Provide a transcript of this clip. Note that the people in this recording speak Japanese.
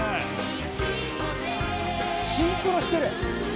シンクロしてる。